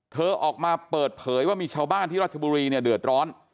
ออกมาเปิดเผยว่ามีชาวบ้านที่รัชบุรีเนี่ยเดือดร้อน